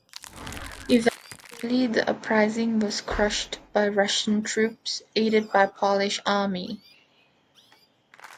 Eventually the uprising was crushed by Russian troops, aided by Polish army.